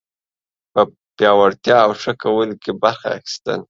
په پیاوړتیا او ښه کولو کې برخه اخیستل